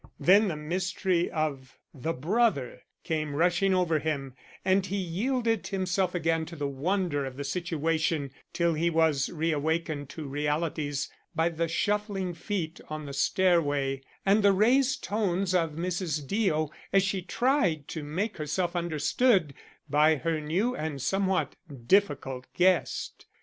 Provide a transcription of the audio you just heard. Then the mystery of the brother came rushing over him and he yielded himself again to the wonder of the situation till he was reawakened to realities by the shuffling of feet on the stairway and the raised tones of Mrs. Deo as she tried to make herself understood by her new and somewhat difficult guest.